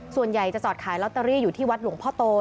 ส่วนใหญ่จะจอดขายลอตเตอรี่อยู่ที่วัดหลวงพ่อโต